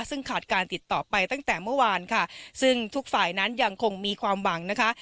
ซึ่งขาดการติดต่อไปตั้งแต่เมื่อวานค่ะซึ่งทุกฝ่ายนั้นยังคงมีความหวังนะคะ